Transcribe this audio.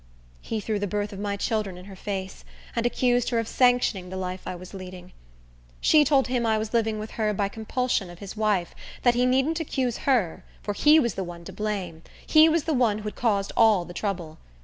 He threw the birth of my children in her face, and accused her of sanctioning the life I was leading. She told him I was living with her by compulsion of his wife; that he needn't accuse her, for he was the one to blame; he was the one who had caused all the trouble.